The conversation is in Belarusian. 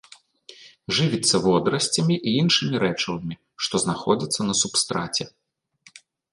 Жывіцца водарасцямі і іншымі рэчывамі, што знаходзяцца на субстраце.